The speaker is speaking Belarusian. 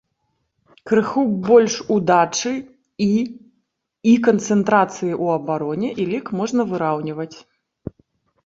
Крыху б больш удачы і і канцэнтрацыі ў абароне, і лік можна выраўніваць.